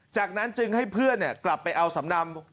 จากนั้นจึงให้เพื่อนกลับไปเอาสำนำ